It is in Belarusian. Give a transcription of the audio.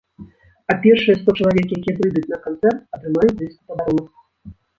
А першыя сто чалавек, якія прыйдуць на канцэрт, атрымаюць дыск у падарунак.